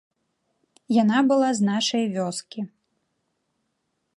Яна была з нашай вёскі.